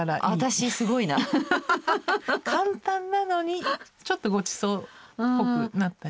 簡単なのにちょっとごちそうっぽくなったり。